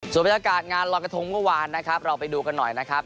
ส่วนบรรยากาศงานลอยกระทงเมื่อวานนะครับเราไปดูกันหน่อยนะครับ